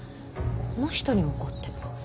この人に怒っても。